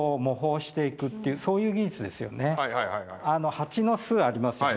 蜂の巣ありますよね